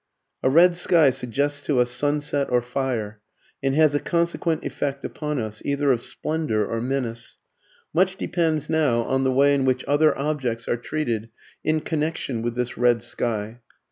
A red sky suggests to us sunset, or fire, and has a consequent effect upon us either of splendour or menace. Much depends now on the way in which other objects are treated in connection with this red sky.